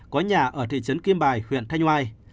có nhà ở thị trấn kim bài huyện thanh oai